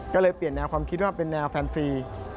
ก็เลยเปลี่ยนแนวความคิดว่าเป็นแนวแฟนฟรี